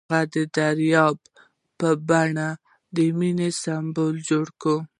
هغه د دریاب په بڼه د مینې سمبول جوړ کړ.